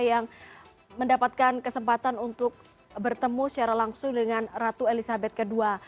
yang mendapatkan kesempatan untuk bertemu secara langsung dengan ratu elizabeth ii